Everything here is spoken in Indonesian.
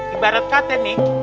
ibarat kata nih